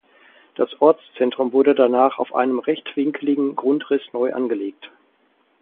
Das Ortszentrum wurde danach auf einem rechtwinkeligen Grundriss neu angelegt.